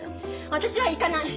私は行かない！